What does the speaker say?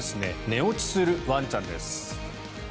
寝落ちするワンちゃんです。